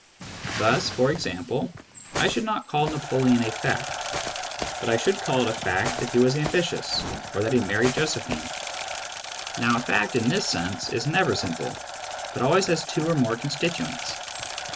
Thus, for example, I should not call Napoleon a fact, but I should call it a fact that he was ambitious, or that he married Josephine. Now a ' fact, in this sense, is never simple, but always has two or more constituents.